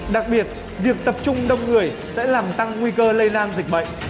đặc biệt việc tập trung đông người sẽ làm tăng nguy cơ lây lan dịch bệnh